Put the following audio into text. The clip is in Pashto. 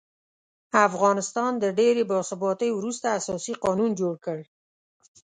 افغانستان د ډېرې بې ثباتۍ وروسته اساسي قانون جوړ کړ.